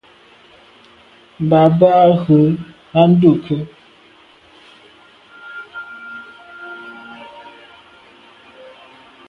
Mba be a’ ghù à ndùke.